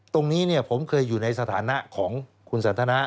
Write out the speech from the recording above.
ตรงนี้ผมเคยอยู่ในสถานะของคุณสันทนา